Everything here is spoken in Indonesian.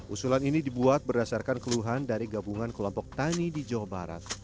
usulan ini dibuat berdasarkan keluhan dari gabungan kelompok tani di jawa barat